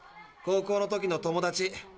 高校の時の友達。